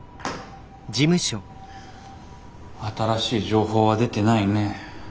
新しい情報は出てないね。